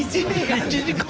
１時間！？